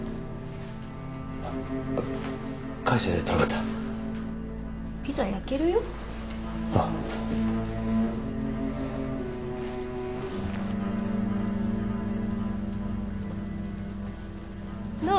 あっ会社でトラブったピザ焼けるよああどう？